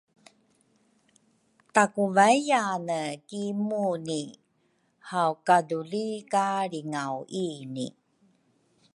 takuvaiane ki Muni hawkaduli ka lringauini.